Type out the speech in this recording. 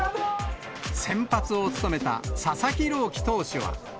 先発を務めた佐々木朗希投手は。